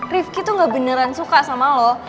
rifki tuh gak beneran suka sama lo